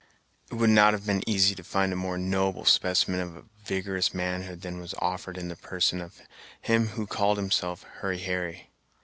It would not have been easy to find a more noble specimen of vigorous manhood than was offered in the person of him who called himself Hurry Harry.